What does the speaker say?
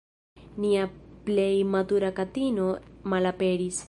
"Nia plej matura katino malaperis.